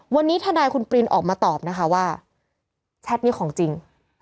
วันนี้ทนายคุณปรินออกมาตอบนะคะว่าแชทนี้ของจริง